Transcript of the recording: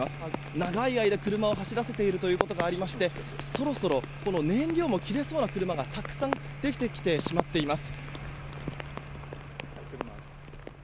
長い間、車を走らせているということがありましてそろそろ燃料も切れそうな車がたくさん出てきてしまっています。